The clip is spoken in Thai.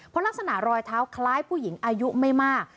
เพราะลักษณะรอยเท้าคล้ายผู้หญิงอายุไม่มาก